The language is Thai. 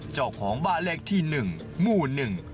เจ้าของบ้านเลขที่หนึ่งหมู่หนึ่ง